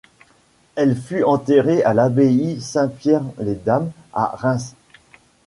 Elle fut enterrée à l'Abbaye Saint-Pierre-les-Dames à Reims.